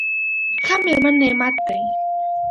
ښه مېرمن نعمت دی.